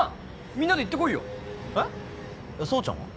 みんなで行ってこいよえっ蒼ちゃんは？